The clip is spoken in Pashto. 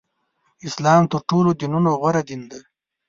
اسلام تر ټولو دینونو غوره دین دی.